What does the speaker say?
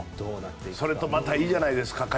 それと、また帰ってきていいじゃないですか。